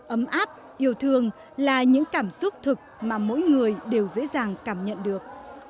ấm áp yêu thương là những cảm xúc thực mà mỗi người đều dễ dàng cảm nhận được